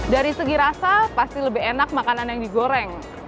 dari segi rasa pasti lebih enak makanan yang digoreng